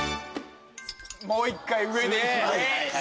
もう１回上でいきます。